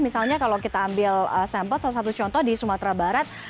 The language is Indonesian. misalnya kalau kita ambil sampel salah satu contoh di sumatera barat